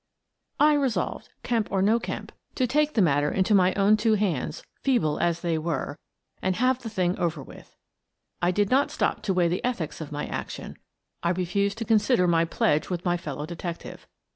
I resolved, Kemp or no Kemp, to take the matter 139 130 Miss Frances Baird, Detective into my own two hands, feeble as they were, and have the thing over with. I did not stop to weigh the ethics of my action ; I refused to consider my pledge with my fellow detective.